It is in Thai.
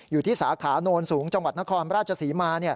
อยู่ที่สาขานวลสูงจังหวัดนครราชสีมา